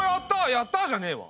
やったじゃねえわ。